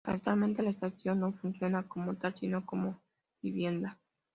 Actualmente la estación no funciona como tal sino como vivienda.